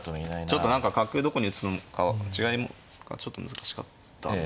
ちょっと何か角どこに打つのか違いがちょっと難しかったんで。